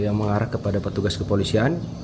yang mengarah kepada petugas kepolisian